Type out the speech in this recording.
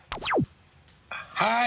はい。